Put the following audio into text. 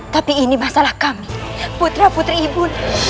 tapi ini masalah kami putra putri ibu